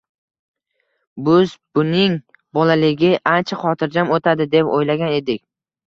Biz uning bolaligi ancha xotirjam o‘tadi, deb o‘ylagan edik